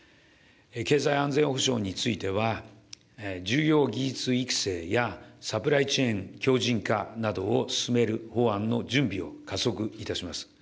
経済安全保障については、重要技術育成や、サプライチェーン強じん化などを進める法案の準備を加速いたします。